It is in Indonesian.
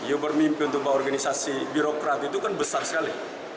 you bermimpi untuk organisasi birokrat itu kan besar sekali